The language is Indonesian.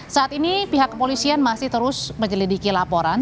saat ini pihak kepolisian masih terus menyelidiki laporan